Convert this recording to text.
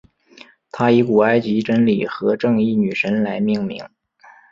它以古埃及真理和正义女神来命名。